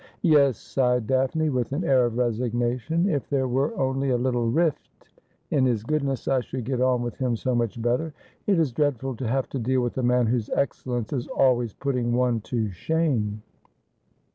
' Yes,' sighed Daphne, with an air of resignation. ' If there were only a little rift in his goodness, I should get on with him so much better. It is dreadful to have to deal with a man whose excellence is always putting one to shame.'